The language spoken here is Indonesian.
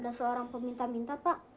ada seorang peminta minta pak